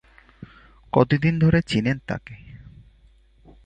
কতদিন ধরে চিনেন তাকে?